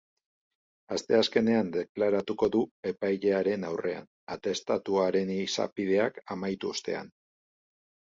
Asteazkenean deklaratuko du epailearen aurrean, atestatuaren izapideak amaitu ostean.